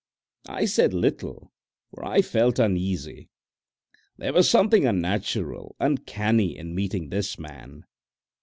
I said little, for I felt uneasy. There was something unnatural, uncanny, in meeting this man.